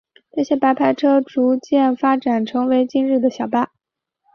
这些白牌车逐渐发展成为今日的小巴。